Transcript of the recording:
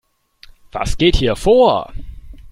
Was geht hier vor?